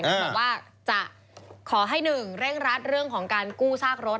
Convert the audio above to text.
บอกว่าจะขอให้๑เร่งรัดเรื่องของการกู้ซากรถ